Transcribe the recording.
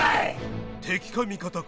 敵か味方か